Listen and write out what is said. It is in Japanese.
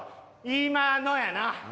今のやな。